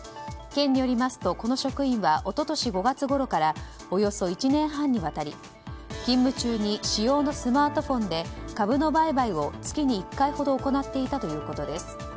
県によりますとこの職員は一昨年５月ごろからおよそ１年半にわたり勤務中に私用のスマートフォンで株の売買を月に１回ほど行っていたということです。